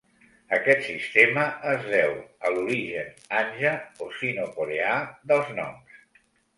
Aquest sistema es deu a l'origen hanja o sino-coreà dels noms.